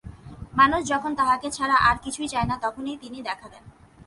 মানুষ যখন তাঁহাকে ছাড়া আর কিছুই চায় না, তখনই তিনি দেখা দেন।